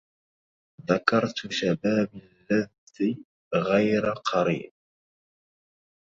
ذكرت شبابي اللذ غير قريب